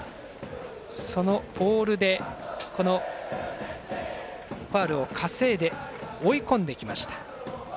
そのボールでファウルを稼いで追い込んできました。